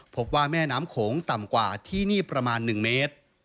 พบว่าแม่น้ำโขงต่ำกว่าที่นี่ประมาณ๑เมตร